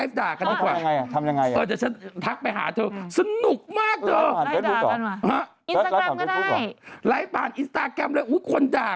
พอมันขับผ่านเราไปมันก็จะเปิ้ลรถใจเรา